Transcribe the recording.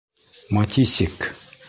МАТИСИК!